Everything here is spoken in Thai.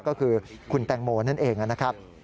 ก็คือคุณแตงโมนั่นเองนะครับ